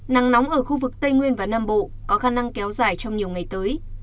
nắng nóng ở khu vực tây nguyên và nam bộ có khả năng kéo dài trong nhiều ngày tới